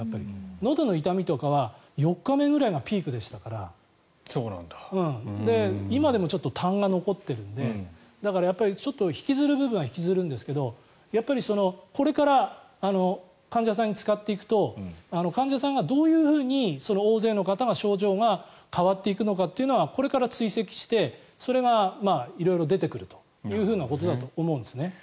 のどの痛みとかは４日目ぐらいがピークでしたから今でもちょっとたんが残っているので引きずる部分は引きずるんですがこれから患者さんに使っていくと患者さんがどういうふうに大勢の方が症状が変わっていくのかというのはこれから追跡をしてそれが色々出てくるというふうなことだと思うんですね。